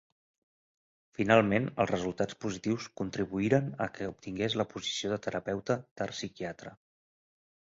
Finalment els resultats positius contribuïren a que obtingués la posició de terapeuta d'art psiquiatre.